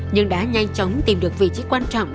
nhưng đã nhanh chóng tìm được vị trí quan trọng